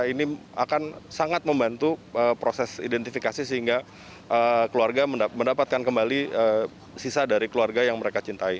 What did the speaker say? ini akan sangat membantu proses identifikasi sehingga keluarga mendapatkan kembali sisa dari keluarga yang mereka cintai